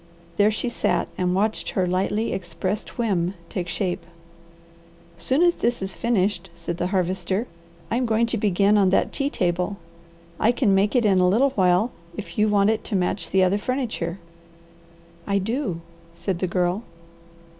There she sat and watched her lightly expressed whim take shape. "Soon as this is finished," said the Harvester, "I am going to begin on that tea table. I can make it in a little while, if you want it to match the other furniture." "I do," said the Girl.